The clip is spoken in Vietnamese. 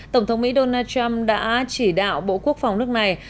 tổng thống mỹ donald trump đã chỉ đạo bộ quốc phòng nước này